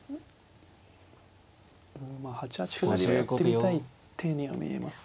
まあ８八歩成はやってみたい手には見えますね。